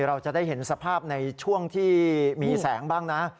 เราจะได้เห็นสภาพในช่วงที่มีแสงบ้างนะ